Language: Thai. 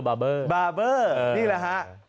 บาเบอร์นี่แหละฮะ